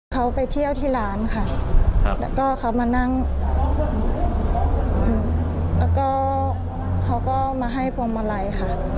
ก็ไปเที่ยวที่ร้านค่ะเขาก็มานั่งแล้วเขาก็มาให้พวงเมอไลค่ะ